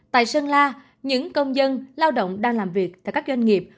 tại sơn la những công dân lao động đang làm việc tại các doanh nghiệp